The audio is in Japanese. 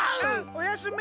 おやすみ！